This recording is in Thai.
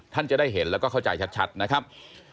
ท่านจะได้เห็นแล้วก็เข้าใจชัดนะครับ